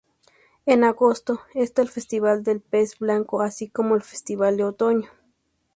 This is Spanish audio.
En agosto está el Festival del Pez Blanco, así como el Festival de Otoño.